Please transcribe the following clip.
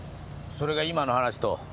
それが今の話と。